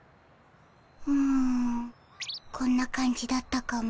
うんこんな感じだったかも。